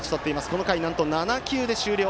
この回、なんと７球で終了。